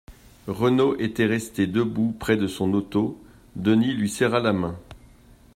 Renaud était resté debout près de son auto. Denis lui serra la main.